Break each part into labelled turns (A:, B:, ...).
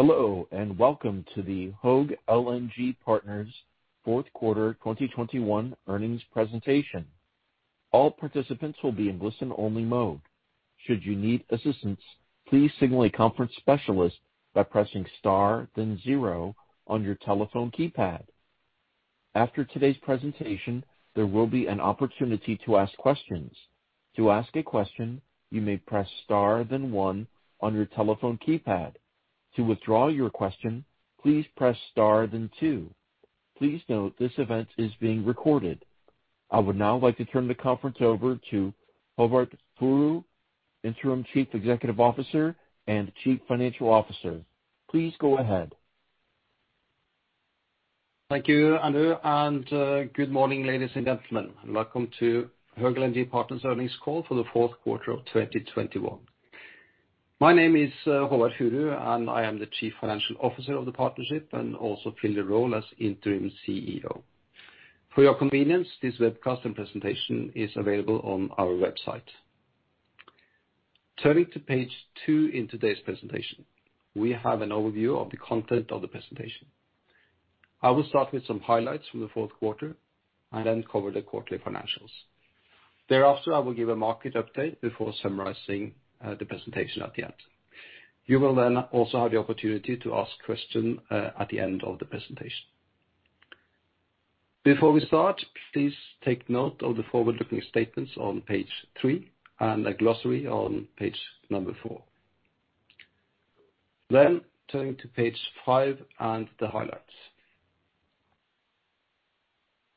A: Hello, and welcome to the Höegh LNG Partners Fourth Quarter 2021 Earnings Presentation. All participants will be in listen-only mode. Should you need assistance, please signal a conference specialist by pressing star then zero on your telephone keypad. After today's presentation, there will be an opportunity to ask questions. To ask a question, you may press star then one on your telephone keypad. To withdraw your question, please press star then two. Please note this event is being recorded. I would now like to turn the conference over to Håvard Furu, Interim Chief Executive Officer and Chief Financial Officer. Please go ahead.
B: Thank you, Andrew, and good morning, ladies and gentlemen. Welcome to Höegh LNG Partners Earnings Call for the Fourth Quarter of 2021. My name is Håvard Furu, and I am the Chief Financial Officer of the partnership and also fill the role as interim CEO. For your convenience, this webcast and presentation is available on our website. Turning to page two in today's presentation, we have an overview of the content of the presentation. I will start with some highlights from the fourth quarter and then cover the quarterly financials. Thereafter, I will give a market update before summarizing the presentation at the end. You will then also have the opportunity to ask question at the end of the presentation. Before we start, please take note of the forward-looking statements on page three and a glossary on page number four. Turning to page five and the highlights.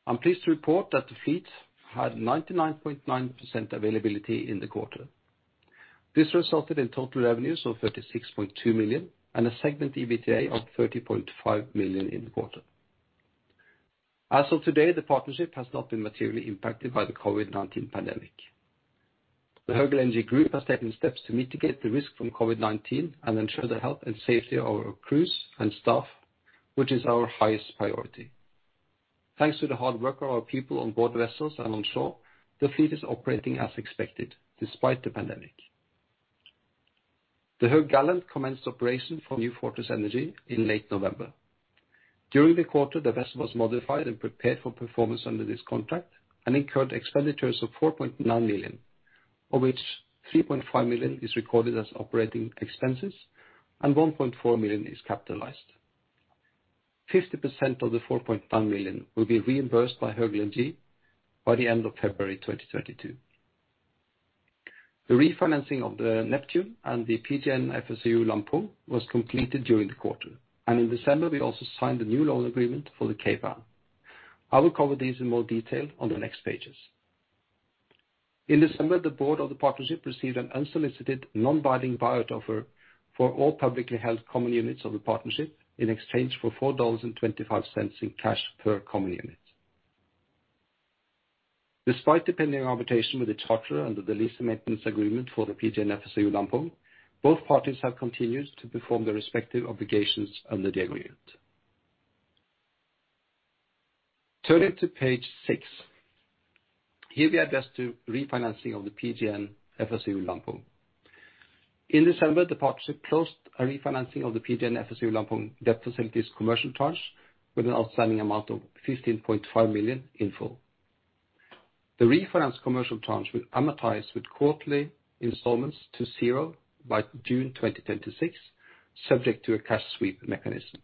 B: I'm pleased to report that the fleet had 99.9% availability in the quarter. This resulted in total revenues of $36.2 million and a segment EBITDA of $30.5 million in the quarter. As of today, the partnership has not been materially impacted by the COVID-19 pandemic. The Höegh LNG group has taken steps to mitigate the risk from COVID-19 and ensure the health and safety of our crews and staff, which is our highest priority. Thanks to the hard work of our people on board vessels and on shore, the fleet is operating as expected despite the pandemic. The Höegh Gallant commenced operation for New Fortress Energy in late November. During the quarter, the vessel was modified and prepared for performance under this contract and incurred expenditures of $4.9 million, of which $3.5 million is recorded as operating expenses and $1.4 million is capitalized. 50% of the $4.9 million will be reimbursed by Höegh LNG by the end of February 2032. The refinancing of the Neptune and the PGN FSRU Lampung was completed during the quarter. In December, we also signed a new loan agreement for the Cape Ann. I will cover these in more detail on the next pages. In December, the board of the partnership received an unsolicited non-binding buyout offer for all publicly held common units of the partnership in exchange for $4.25 in cash per common unit. Despite the pending arbitration with the charterer under the lease and maintenance agreement for the PGN FSRU Lampung, both parties have continued to perform their respective obligations under the agreement. Turning to page six. Here we address the refinancing of the PGN FSRU Lampung. In December, the partnership closed a refinancing of the PGN FSRU Lampung debt facilities commercial tranche with an outstanding amount of $15.5 million in full. The refinanced commercial tranche will amortize with quarterly installments to zero by June 2026, subject to a cash sweep mechanism.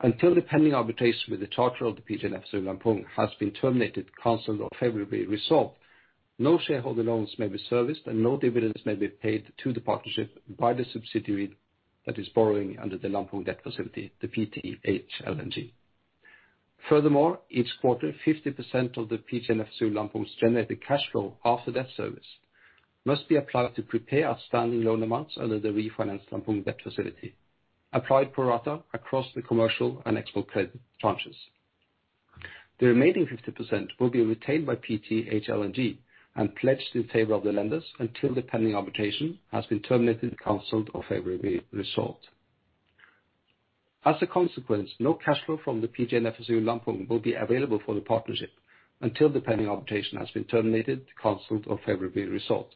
B: Until the pending arbitration with the charterer of the PGN FSRU Lampung has been terminated, canceled, or favorably resolved, no shareholder loans may be serviced, and no dividends may be paid to the partnership by the subsidiary that is borrowing under the Lampung debt facility, PT Höegh LNG Lampung. Furthermore, each quarter, 50% of the PGN FSRU Lampung's generated cash flow after debt service must be applied to prepay outstanding loan amounts under the refinanced Lampung debt facility, applied pro rata across the commercial and export credit tranches. The remaining 50% will be retained by PT Höegh LNG Lampung and pledged in favor of the lenders until the pending arbitration has been terminated, canceled, or favorably resolved. As a consequence, no cash flow from the PGN FSRU Lampung will be available for the partnership until the pending arbitration has been terminated, canceled, or favorably resolved.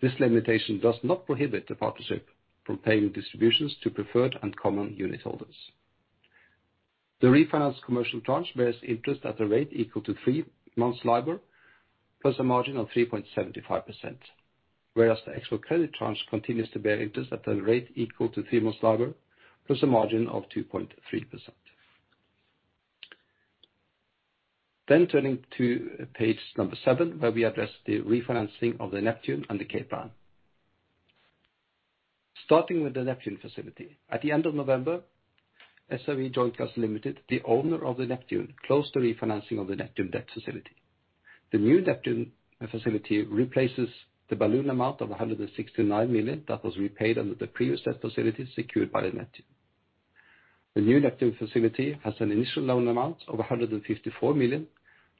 B: This limitation does not prohibit the partnership from paying distributions to preferred and common unitholders. The refinanced commercial tranche bears interest at a rate equal to three months LIBOR plus a margin of 3.75%, whereas the export credit tranche continues to bear interest at a rate equal to three months LIBOR plus a margin of 2.3%. Turning to page seven, where we address the refinancing of the Neptune and the Cape Ann. Starting with the Neptune facility. At the end of November, SRE Joint Venture Limited, the owner of the Neptune, closed the refinancing of the Neptune debt facility. The new Neptune facility replaces the balloon amount of $169 million that was repaid under the previous debt facility secured by the Neptune. The new Neptune facility has an initial loan amount of $154 million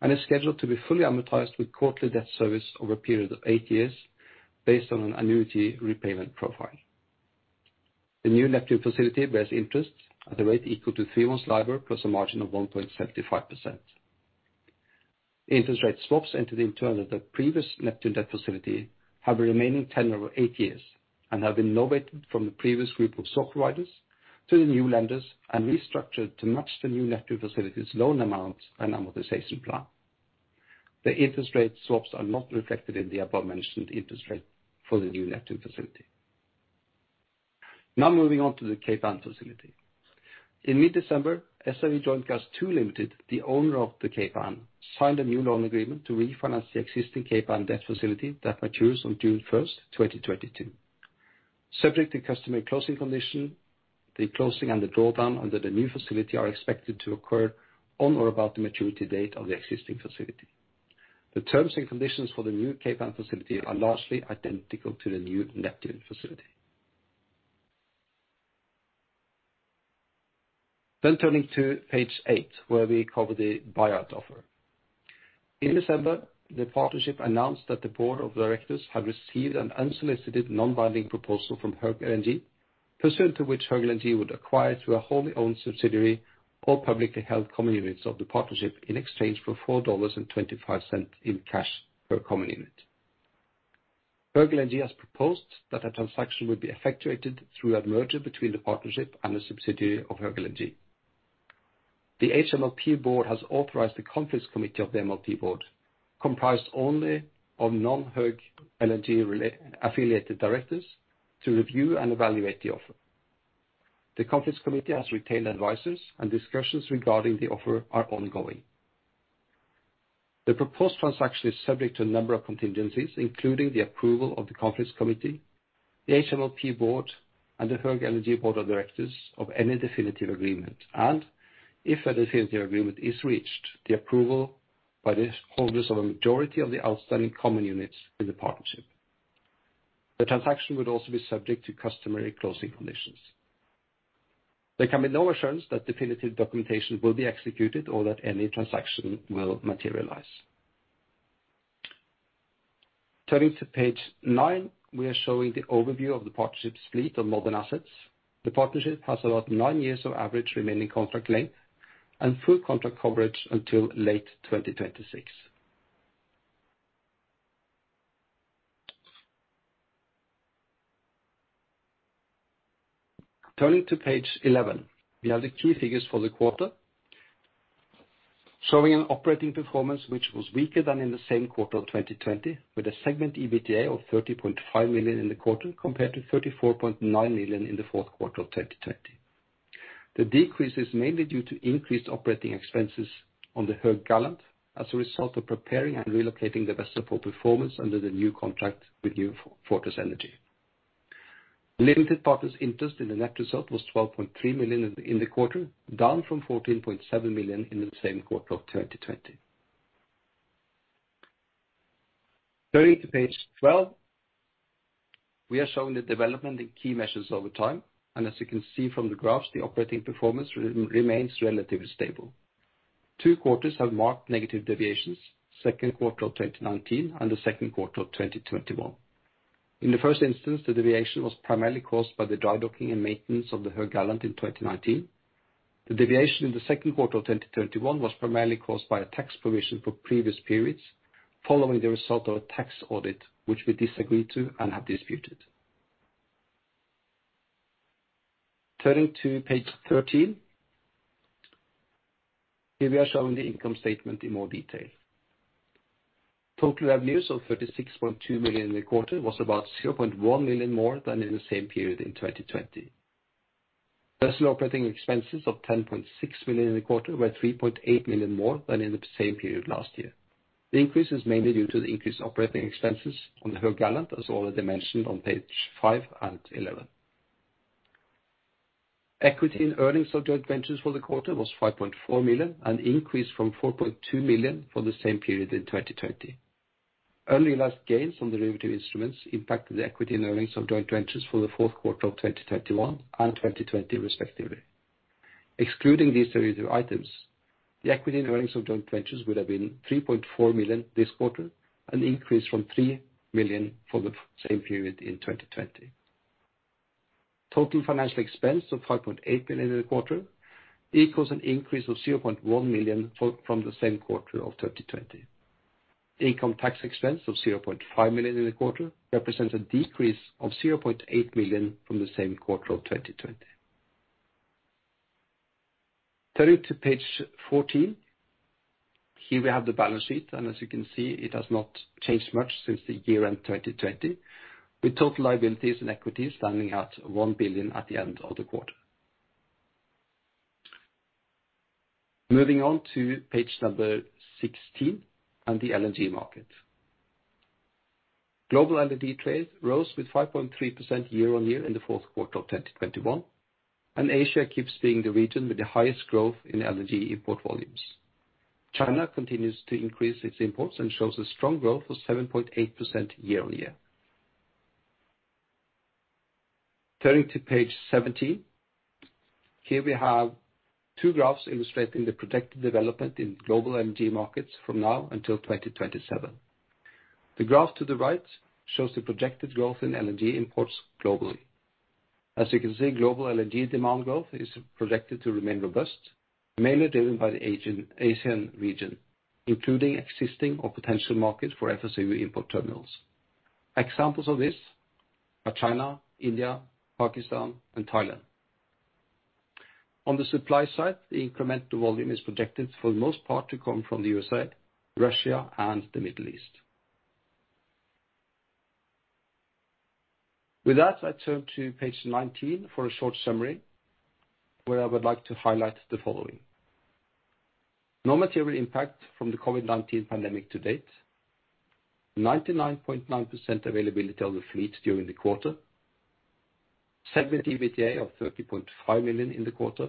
B: and is scheduled to be fully amortized with quarterly debt service over a period of eight years based on an annuity repayment profile. The new Neptune facility bears interest at a rate equal to three months LIBOR plus a margin of 1.75%. Interest rate swaps entered in terms of the previous Neptune debt facility have a remaining tenure of eight years and have been novated from the previous group of swap providers to the new lenders and restructured to match the new Neptune facility's loan amount and amortization plan. The interest rate swaps are not reflected in the above-mentioned interest rate for the new Neptune facility. Now moving on to the Cape Ann facility. In mid-December, SRV Joint Gas Two Ltd., the owner of the Cape Ann, signed a new loan agreement to refinance the existing Cape Ann debt facility that matures on June 1st, 2022. Subject to customary closing conditions, the closing and the drawdown under the new facility are expected to occur on or about the maturity date of the existing facility. The terms and conditions for the new Cape Ann facility are largely identical to the new Neptune facility. Turning to page eight, where we cover the buyout offer. In December, the partnership announced that the board of directors had received an unsolicited, non-binding proposal from Höegh LNG, pursuant to which Höegh LNG would acquire through a wholly-owned subsidiary or publicly held common units of the partnership in exchange for $4.25 in cash per common unit. Höegh LNG has proposed that a transaction would be effectuated through a merger between the partnership and a subsidiary of Höegh LNG. The HMLP board has authorized the conflicts committee of the MLP board, comprised only of non-Höegh LNG-affiliated directors, to review and evaluate the offer. The conflicts committee has retained advisors, and discussions regarding the offer are ongoing. The proposed transaction is subject to a number of contingencies, including the approval of the conflicts committee, the HMLP board, and the Höegh LNG board of directors of any definitive agreement, and if a definitive agreement is reached, the approval by the holders of a majority of the outstanding common units in the partnership. The transaction would also be subject to customary closing conditions. There can be no assurance that definitive documentation will be executed or that any transaction will materialize. Turning to page nine, we are showing the overview of the partnership's fleet of modern assets. The partnership has about nine years of average remaining contract length and full contract coverage until late 2026. Turning to page 11, we have the key figures for the quarter, showing an operating performance which was weaker than in the same quarter of 2020, with a segment EBITDA of $30.5 million in the quarter, compared to $34.9 million in the fourth quarter of 2020. The decrease is mainly due to increased operating expenses on the Höegh Gallant as a result of preparing and relocating the vessel for performance under the new contract with New Fortress Energy. Limited partners' interest in the net result was $12.3 million in the quarter, down from $14.7 million in the same quarter of 2020. Turning to page 12, we are showing the development in key measures over time. As you can see from the graphs, the operating performance remains relatively stable. Two quarters have marked negative deviations, second quarter of 2019 and the second quarter of 2021. In the first instance, the deviation was primarily caused by the dry-docking and maintenance of the Höegh Gallant in 2019. The deviation in the second quarter of 2021 was primarily caused by a tax provision for previous periods following the result of a tax audit, which we disagreed to and have disputed. Turning to page 13. Here we are showing the income statement in more detail. Total revenues of $36.2 million in the quarter was about $0.1 million more than in the same period in 2020. Vessel operating expenses of $10.6 million in the quarter were $3.8 million more than in the same period last year. The increase is mainly due to the increased operating expenses on the Höegh Gallant, as already mentioned on page five and 11. Equity and earnings of joint ventures for the quarter was $5.4 million, an increase from $4.2 million for the same period in 2020. Unrealized gains on derivative instruments impacted the equity and earnings of joint ventures for the fourth quarter of 2021 and 2020 respectively. Excluding these derivative items, the equity and earnings of joint ventures would have been $3.4 million this quarter, an increase from $3 million for the same period in 2020. Total financial expense of $5.8 million in the quarter equals an increase of $0.1 million from the same quarter of 2020. Income tax expense of $0.5 million in the quarter represents a decrease of $0.8 million from the same quarter of 2020. Turning to page 14. Here we have the balance sheet. As you can see, it has not changed much since the year-end 2020, with total liabilities and equity standing at $1 billion at the end of the quarter. Moving on to page 16 and the LNG market. Global LNG trades rose with 5.3% year-on-year in the fourth quarter of 2021, and Asia keeps being the region with the highest growth in LNG import volumes. China continues to increase its imports and shows a strong growth of 7.8% year-on-year. Turning to page 17. Here we have two graphs illustrating the projected development in global LNG markets from now until 2027. The graph to the right shows the projected growth in LNG imports globally. As you can see, global LNG demand growth is projected to remain robust, mainly driven by the Asian region, including existing or potential markets for FSRU import terminals. Examples of this are China, India, Pakistan, and Thailand. On the supply side, the incremental volume is projected for the most part to come from the U.S., Russia, and the Middle East. With that, I turn to page 19 for a short summary, where I would like to highlight the following. No material impact from the COVID-19 pandemic to date. 99.9% availability of the fleet during the quarter. Segment EBITDA of $30.5 million in the quarter.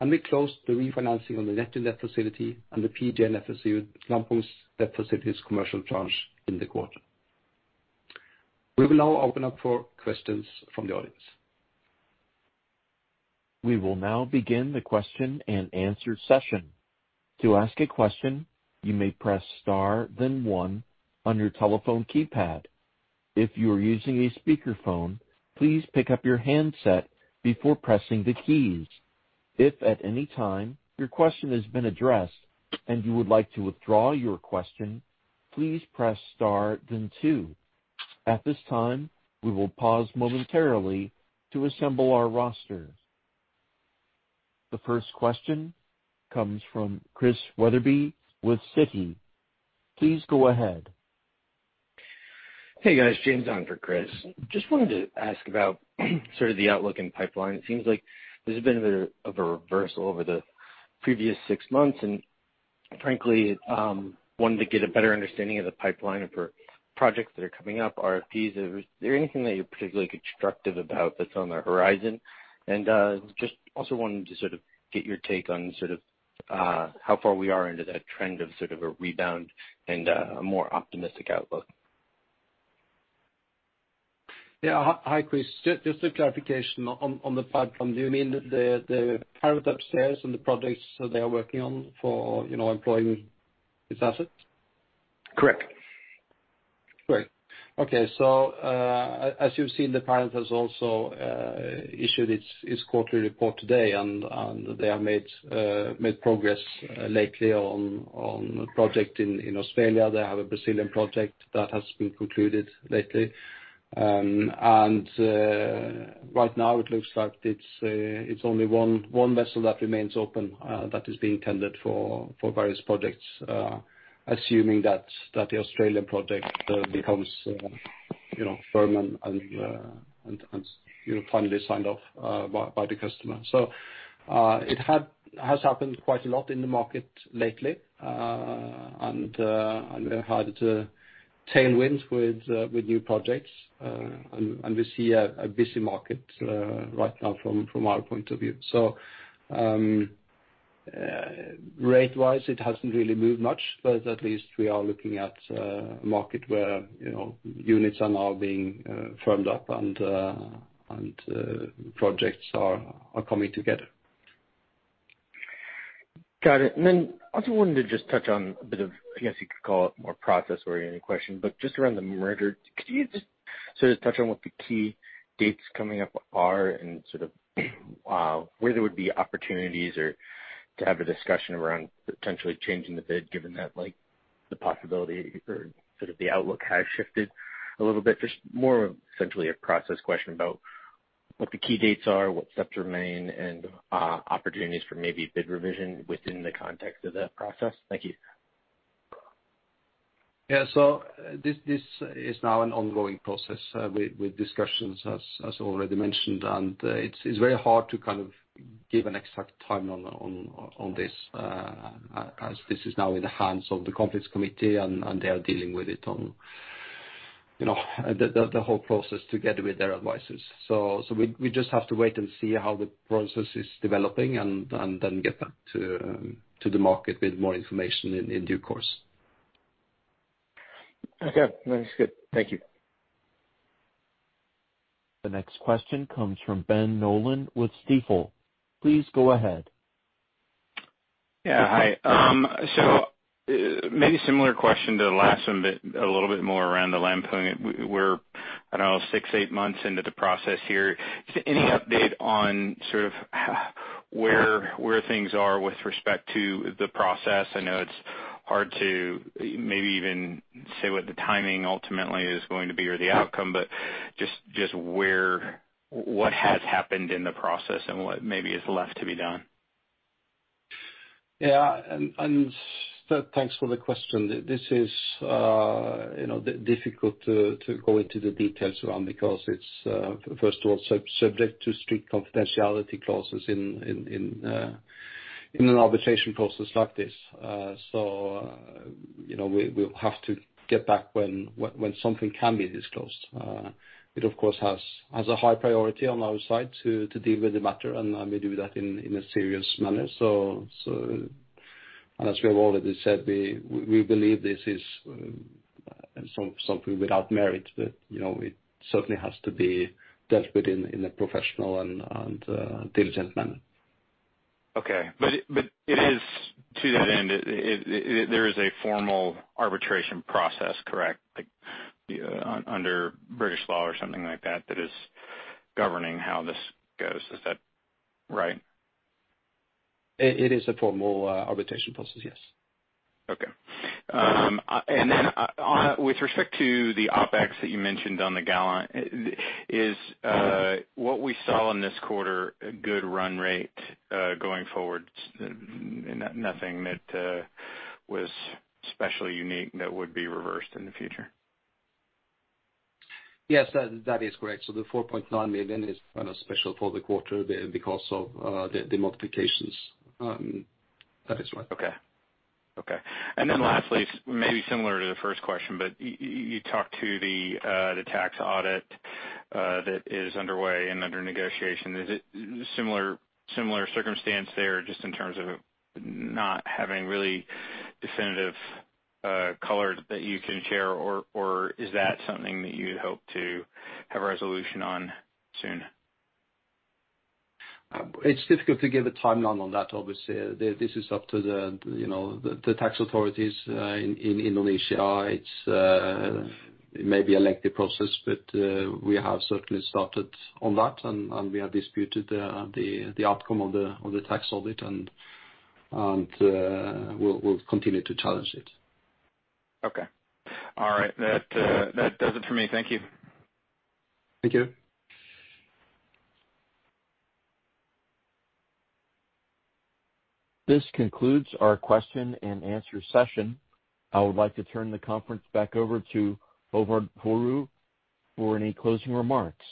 B: We closed the refinancing on the Neptune facility and the PGN FSRU Lampung debt facility's commercial tranche in the quarter. We will now open up for questions from the audience.
A: We will now begin the question-and-answer session. To ask a question, you may press star then one on your telephone keypad. If you are using a speakerphone, please pick up your handset before pressing the keys. If at any time your question has been addressed and you would like to withdraw your question, please press star then two. At this time, we will pause momentarily to assemble our roster. The first question comes from Christian Wetherbee with Citi. Please go ahead.
C: Hey, guys. James on for Chris. Just wanted to ask about sort of the outlook and pipeline. It seems like there's been a bit of a reversal over the previous six months. Frankly, wanted to get a better understanding of the pipeline for projects that are coming up, RFPs. Is there anything that you're particularly constructive about that's on the horizon? Just also wanted to sort of get your take on sort of how far we are into that trend of sort of a rebound and a more optimistic outlook.
B: Yeah. Hi, Chris. Just a clarification on the platform. Do you mean the parent upstairs and the projects they are working on for, you know, employing these assets?
C: Correct.
B: Great. Okay. As you've seen, the parent has also issued its quarterly report today, and they have made progress lately on a project in Australia. They have a Brazilian project that has been concluded lately. Right now it looks like it's only one vessel that remains open that is being tendered for various projects, assuming that the Australian project becomes you know firm and you know finally signed off by the customer. It has happened quite a lot in the market lately, and we've had tailwinds with new projects. We see a busy market right now from our point of view. Rate-wise, it hasn't really moved much, but at least we are looking at a market where, you know, units are now being firmed up and projects are coming together.
C: Got it. Then also wanted to just touch on a bit of, I guess, you could call it more process-oriented question, but just around the merger. Could you just sort of touch on what the key dates coming up are and sort of, where there would be opportunities or to have a discussion around potentially changing the bid, given that like the possibility or sort of the outlook has shifted a little bit. Just more essentially a process question about what the key dates are, what's left to remain, and, opportunities for maybe bid revision within the context of that process. Thank you.
B: Yeah. This is now an ongoing process with discussions as already mentioned. It's very hard to kind of give an exact time on this as this is now in the hands of the conflicts committee and they are dealing with it you know the whole process together with their advisors. We just have to wait and see how the process is developing and then get back to the market with more information in due course.
C: Okay. No, that's good. Thank you.
A: The next question comes from Ben Nolan with Stifel. Please go ahead.
D: Yeah. Hi. Maybe similar question to the last one, but a little bit more around the Lampung. We're, I don't know, six-eight months into the process here. Just any update on sort of where things are with respect to the process? I know it's hard to maybe even say what the timing ultimately is going to be or the outcome, but just where what has happened in the process and what maybe is left to be done.
B: Thanks for the question. This is difficult to go into the details around because it's first of all subject to strict confidentiality clauses in an arbitration process like this. We'll have to get back when something can be disclosed. It of course has a high priority on our side to deal with the matter, and we do that in a serious manner. As we have already said, we believe this is something without merit that it certainly has to be dealt with in a professional and diligent manner.
D: Okay. It is to that end, there is a formal arbitration process, correct? Like, under British law or something like that is governing how this goes. Is that right?
B: It is a formal arbitration process, yes.
D: With respect to the OpEx that you mentioned on the Gallant, is what we saw in this quarter a good run rate going forward? Nothing that was especially unique that would be reversed in the future.
B: Yes, that is correct. The $4.9 million is kind of special for the quarter because of the modifications. That is right.
D: Lastly, maybe similar to the first question, but you talked about the tax audit that is underway and under negotiation. Is it similar circumstance there, just in terms of not having really definitive color that you can share or is that something that you hope to have a resolution on soon?
B: It's difficult to give a timeline on that. Obviously, this is up to the, you know, the tax authorities in Indonesia. It may be a lengthy process, but we have certainly started on that, and we'll continue to challenge it.
D: Okay. All right. That does it for me. Thank you.
B: Thank you.
A: This concludes our question and answer session. I would like to turn the conference back over to Håvard Furu for any closing remarks.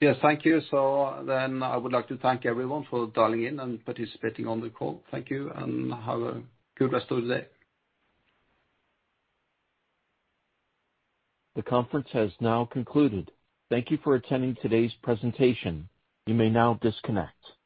B: Yes, thank you. I would like to thank everyone for dialing in and participating on the call. Thank you, and have a good rest of the day.
A: The conference has now concluded. Thank you for attending today's presentation. You may now disconnect.